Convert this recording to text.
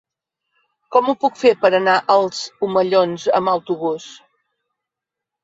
Com ho puc fer per anar als Omellons amb autobús?